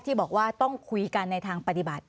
ที่บอกว่าต้องคุยกันในทางปฏิบัติ